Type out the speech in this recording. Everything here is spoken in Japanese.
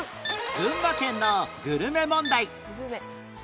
群馬県のグルメ問題